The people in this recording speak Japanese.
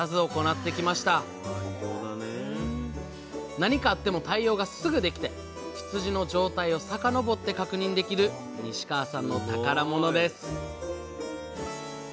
何かあっても対応がすぐできて羊の状態を遡って確認できる西川さんの宝物です